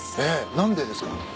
何でですか？